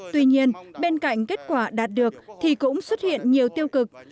tuy nhiên bên cạnh kết quả đạt được thì cũng xuất hiện nhiều tiêu cực